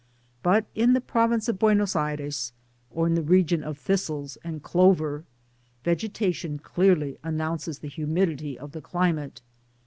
But in the pro Tince of Buenos Aires, or in the region of thistles and clover, vegetation clearly announces the humi* dity of the climate.